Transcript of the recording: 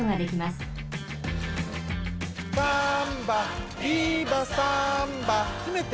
「サンバビバサンバ」つめて。